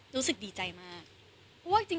รู้สึกดีใจมาก